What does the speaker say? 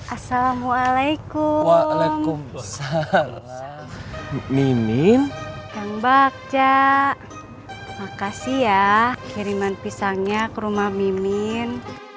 assalamualaikum waalaikumsalam mimin dan bakca makasih ya kiriman pisangnya ke rumah mimin